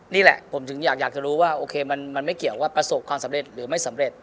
นี่แหละผมถึงอยากจะรู้ว่าโอเคมันไม่เกี่ยวว่าประสบความสำเร็จหรือไม่สำเร็จ